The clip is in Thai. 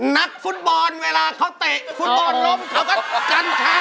นักฟุตบอลเวลาเขาเตะฟุตบอลล้มเขาก็กัญชา